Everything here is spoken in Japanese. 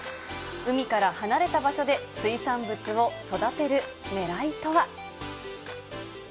海から離れた場所で水産物を育てるねらいとは。